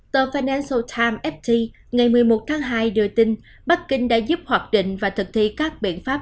tờ finanso times ft ngày một mươi một tháng hai đưa tin bắc kinh đã giúp hoạt định và thực thi các biện pháp